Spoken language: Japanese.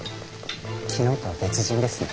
昨日とは別人ですね。